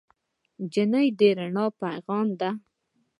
نجلۍ د رڼا پېغام ده.